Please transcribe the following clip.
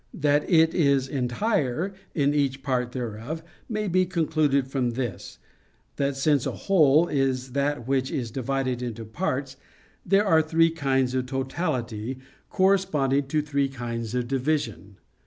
That it is entire in each part thereof, may be concluded from this, that since a whole is that which is divided into parts, there are three kinds of totality, corresponding to three kinds of division.